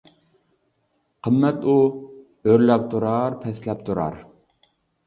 قىممەت ئۇ، ئۆرلەپ تۇرار، پەسلەپ تۇرار.